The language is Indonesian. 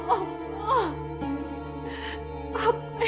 apa yang sudah aku lakukan